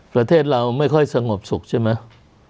ประเทศเราไม่ค่อยสงบสุขใช่ไหม